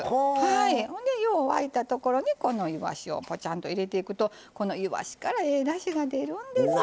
ほんでよう沸いたところにこのいわしをポチャンと入れていくとこのいわしからええだしが出るんですよ。